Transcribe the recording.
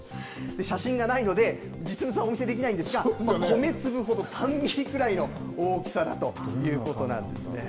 写真がないので、実物はお見せできないんですが、米粒ほど、３ミリほどの大きさだということなんですね。